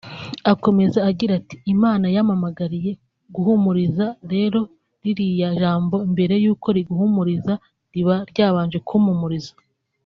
Akomeza agira ati “Imana yampamagariye guhumuriza rero ririya jambo mbere y’uko riguhumuriza riba ryabanje kumpumuriza